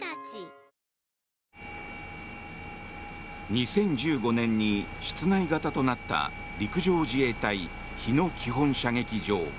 ２０１５年に室内型となった陸上自衛隊日野基本射撃場。